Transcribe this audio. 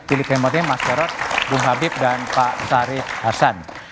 pilih kemampuannya mas karot bung habib dan pak sharif hasan